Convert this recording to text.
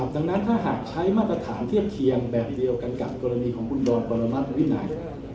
ดังนั้นถ้าหากใช้มาตรฐานเทียบเคียงแบบเดียวกันกับกรณีของคุณดอนปรมัติวินัย